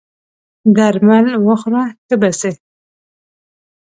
درمل وخوره ښه به سې!